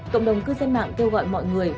cộng đồng cư dân mạng kêu gọi mọi người